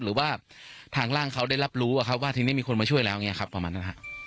หรือว่าทางร่างเขาได้รับรู้ว่าที่นี่มีคนมาช่วยแล้วประมาณนั้นครับ